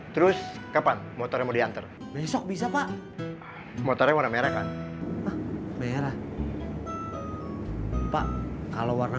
terus kapan motornya mau diantar besok bisa pak motornya warna merah kan merah pak kalau warna